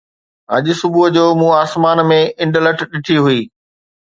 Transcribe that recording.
اڄ صبح مون آسمان ۾ انڊلٺ ڏٺي هئي